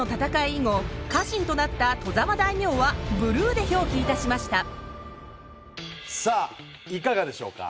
以後家臣となった外様大名はブルーで表記いたしましたさあいかがでしょうか。